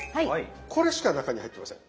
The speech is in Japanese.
これしか中に入ってません。